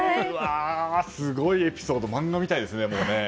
すごいエピソード漫画みたいですね。